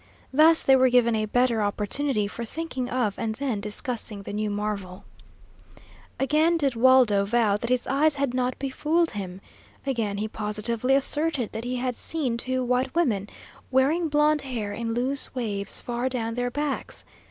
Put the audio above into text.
Thus they were given a better opportunity for thinking of and then discussing the new marvel. Again did Waldo vow that his eyes had not befooled him. Again he positively asserted that he had seen two white women, wearing blonde hair in loose waves far adown their backs.